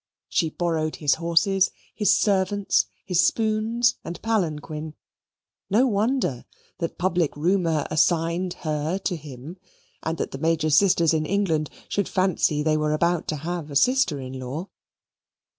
She borrowed his horses, his servants, his spoons, and palanquin no wonder that public rumour assigned her to him, and that the Major's sisters in England should fancy they were about to have a sister in law.